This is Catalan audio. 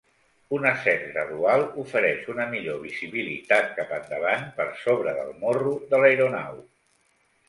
Un ascens gradual ofereix una millor visibilitat cap endavant per sobre del morro de l'aeronau.